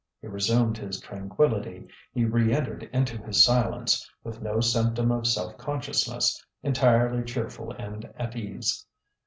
He resumed his tranquillity, he re entered into his silence, with no symptom of self consciousness, entirely cheerful and at ease.